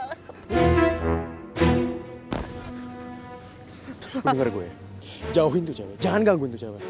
dengar gue ya jauhin tuh cewek jangan gangguin tuh cewek